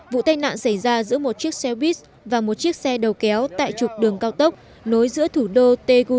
vụ tai nạn xảy ra giữa một chiếc xe buýt và một chiếc xe đầu kéo tại trục đường cao tốc nối giữa thủ đô tegu